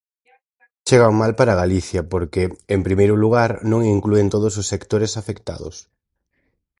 Chegan mal para Galicia porque, en primeiro lugar, non inclúen todos os sectores afectados.